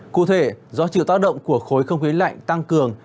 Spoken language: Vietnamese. cụ thể do chịu tác động của khối không khí lạnh tăng cường